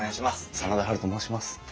真田ハルと申します。